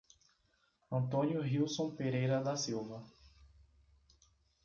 Antônio Rilson Pereira da Silva